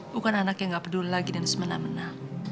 bukan anak yang gak peduli lagi dan semena mena